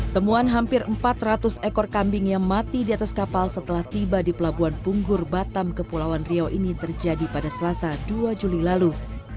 temuan hampir empat ratus ekor kambing yang mati di atas kapal setelah tiba di pelabuhan punggur batam kepulauan riau ini terjadi pada selasa dua juli lalu